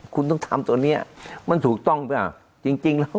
คุณต้องทำตัวเนี้ยมันถูกต้องเปล่าจริงจริงแล้ว